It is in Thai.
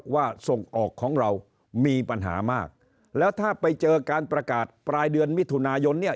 ส่งออกของเรามีปัญหามากแล้วถ้าไปเจอการประกาศปลายเดือนมิถุนายนเนี่ย